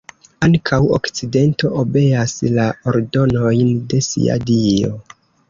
Ankaŭ okcidento obeas la ordonojn de sia dio.